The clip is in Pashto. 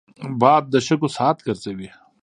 باد د شګو ساعت ګرځوي